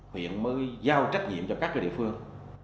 huyện mới giao trách nhiệm cho các địa phương